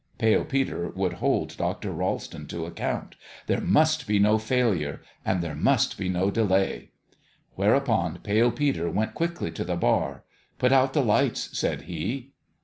Pale Peter would hold Dr. Ralston to account. There must be no failure ; and there must be no delay. Whereupon Pale Peter went quickly to the bar. " Put out the lights,' 1 said he.